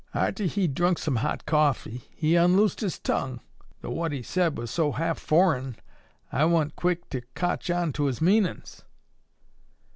"Arter he'd drunk some hot coffee, he unloosed his tongue, though what he sed was so half forrin, I wa'n't quick to cotch onto his meanin's.